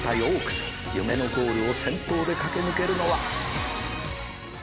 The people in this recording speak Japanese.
夢のゴールを先頭で駆け抜けるのは。